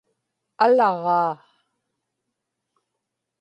alaġaa